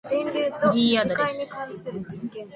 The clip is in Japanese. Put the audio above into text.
フリーアドレス